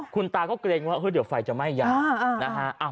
คุณตาก็เกรงว่าเดี๋ยวไฟจะไหม้ยานะฮะ